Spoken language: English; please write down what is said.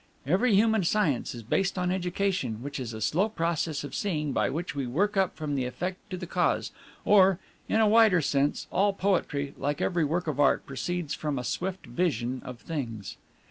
"Every human science is based on deduction, which is a slow process of seeing by which we work up from the effect to the cause; or, in a wider sense, all poetry, like every work of art, proceeds from a swift vision of things."